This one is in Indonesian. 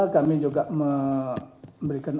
kami juga memberikan